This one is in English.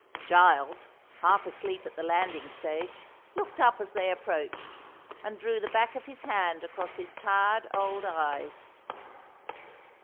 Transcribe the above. Giles, half asleep at the landing stage, looked up as they approached, and drew the back of his hand across his tired old eyes.